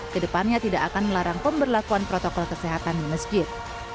kedepannya tidak akan melarang pemberlakuan protokol kesehatan di masjid